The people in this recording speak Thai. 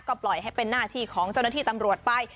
ก็ปล่อยให้เป็นหน้าที่ของเจ้าหน้าที่ตำรวจไป